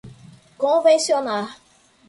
convencionar